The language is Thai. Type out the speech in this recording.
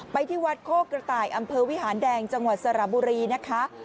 ที่วัดโคกระต่ายอำเภอวิหารแดงจังหวัดสระบุรีนะคะ